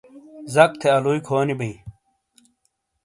ذک تھے الوئی کھونی بئی